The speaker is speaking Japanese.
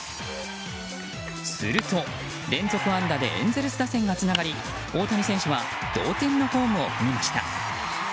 すると、連続安打でエンゼルス打線がつながり大谷選手は同点のホームを踏みました。